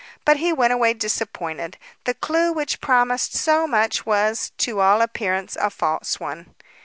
But he went away, disappointed. The clew which promised so much was, to all appearance, a false one.